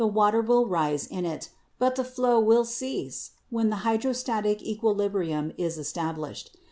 water will rise in it, but the flow will cease when the hydrostatic equilibrium is established.